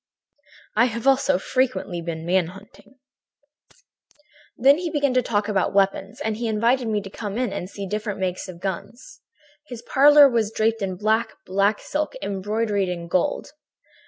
"'I have also frequently been man hunting.' "Then he began to talk about weapons, and he invited me to come in and see different makes of guns. "His parlor was draped in black, black silk embroidered in gold.